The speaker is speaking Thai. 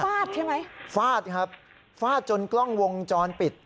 ฟาดใช่ไหมฟาดครับฟาดจนกล้องวงจรปิด